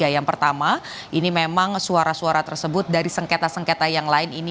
yang pertama ini memang suara suara tersebut dan yang ketiga ini memang suara suara yang terlalu banyak